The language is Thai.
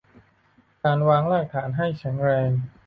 การวางรากฐานให้แข็งแรง